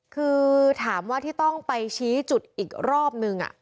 คือถามว่าที่ต้องไปชี้จุดอีกรอบนึง